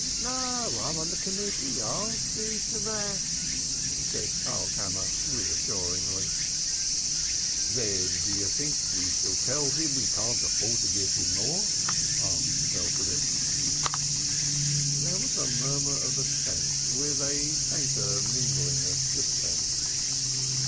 "No, I'm on the Committee, I'll see to that," said Karlkammer reassuringly. "Then do you think we shall tell him we can't afford to give him more?" asked Belcovitch. There was a murmur of assent with a fainter mingling of dissent.